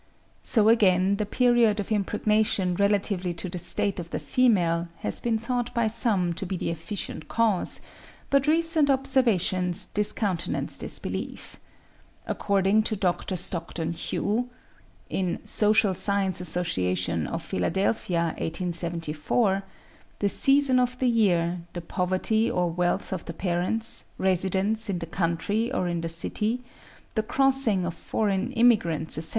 So again the period of impregnation relatively to the state of the female has been thought by some to be the efficient cause; but recent observations discountenance this belief. According to Dr. Stockton Hough (56. 'Social Science Association of Philadelphia,' 1874.), the season of the year, the poverty or wealth of the parents, residence in the country or in cities, the crossing of foreign immigrants, etc.